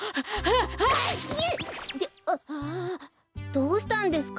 どうしたんですか？